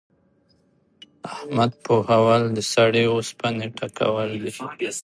احمد پوهول؛ د سړې اوسپنې ټکول دي.